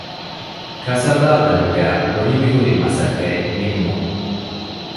ކަސަބާދަނޑުގައި ނުނިމިހުރި މަސައްކަތް ނިންމުން